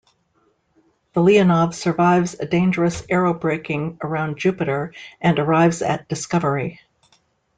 The "Leonov" survives a dangerous aerobraking around Jupiter and arrives at "Discovery".